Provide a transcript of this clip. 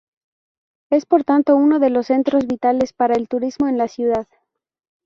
Es por tanto uno de los centros vitales para el turismo en la ciudad.